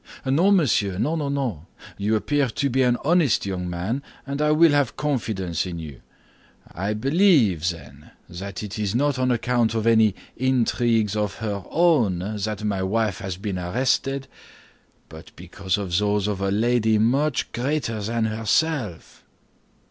"No, monsieur, no; you appear to be an honest young man, and I will have confidence in you. I believe, then, that it is not on account of any intrigues of her own that my wife has been arrested, but because of those of a lady much greater than herself."